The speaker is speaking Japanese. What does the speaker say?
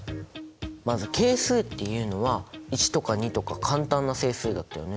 まず「係数」っていうのは１とか２とか簡単な整数だったよね。